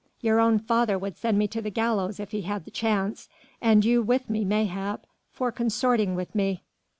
"Your own father would send me to the gallows if he had the chance, and you with me mayhap, for consorting with me."